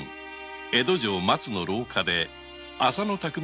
江戸城松の廊下で浅野